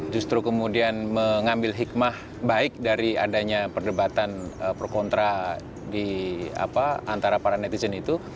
justru kemudian mengambil hikmah baik dari adanya perdebatan pro kontra antara para netizen itu